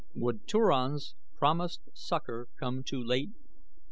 Would Turan's promised succor come too late?